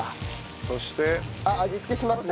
そして？味付けしますね。